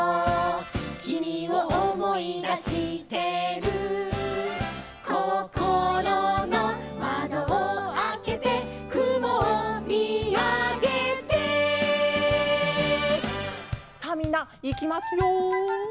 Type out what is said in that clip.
「君を思い出してる」「こころの窓をあけて」「雲を見あげて」さあみんないきますよ。